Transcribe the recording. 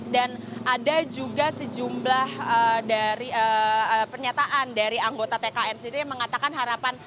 dan ada juga sejumlah dari pernyataan dari anggota tkn sendiri yang mengatakan harapan